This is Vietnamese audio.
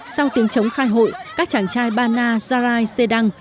sau tiếng chống khai hội các chàng trai bana sarai sedang